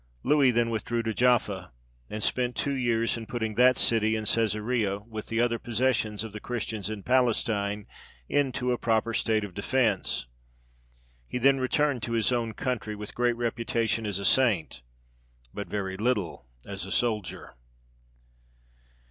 Louis then withdrew to Jaffa, and spent two years in putting that city, and Cesarea, with the other possessions of the Christians in Palestine, into a proper state of defence. He then returned to his own country, with great reputation as a saint, but very little as a soldier.